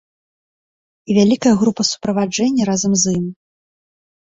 І вялікая група суправаджэння разам з ім.